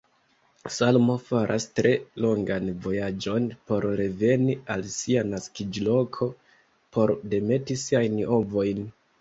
Salmo faras tre longan vojaĝon por reveni al sia naskiĝloko por demeti siajn ovojn.